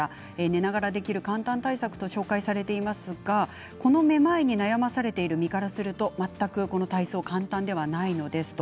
寝ながらできる簡単対策と紹介されていますがこのめまいに悩まされている身からすると全くこの体操簡単ではないのです。